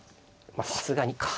まあさすがにか。